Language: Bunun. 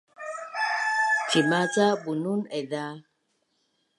Cima ca bunun aiza?